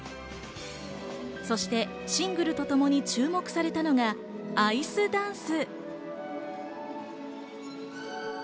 そしてシングルとともに注目されたのがアイスダンス。